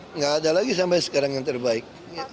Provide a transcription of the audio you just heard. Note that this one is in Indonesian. tidak ada lagi sampai sekarang yang terbaik